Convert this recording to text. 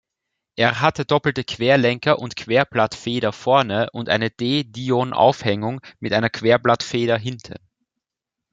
Es hatte doppelte Querlenker und Querblattfeder vorne und eine De-Dion-Aufhängung mit einer Querblattfeder hinten.